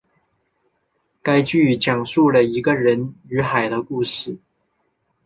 该剧讲述了一个人与海的故事。